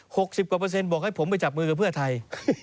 สิบกว่าเปอร์เซ็นบอกให้ผมไปจับมือกับเพื่อไทย